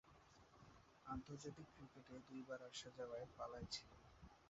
আন্তর্জাতিক ক্রিকেটে দুইবার আসা-যাওয়ার পালায় ছিলেন।